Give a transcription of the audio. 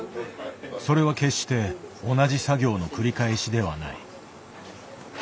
それは決して同じ作業の繰り返しではない。